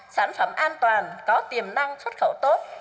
sản phẩm an toàn có tiềm năng xuất khẩu tốt